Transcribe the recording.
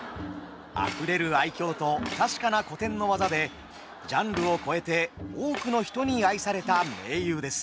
あふれる愛嬌と確かな古典の技でジャンルを超えて多くの人に愛された名優です。